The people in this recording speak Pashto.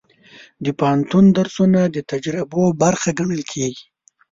د پوهنتون درسونه د تجربو برخه ګڼل کېږي.